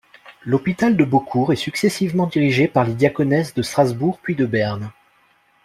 L'hôpital de Beaucourt est successivement dirigé par les diaconesses de Strasbourg puis de Berne.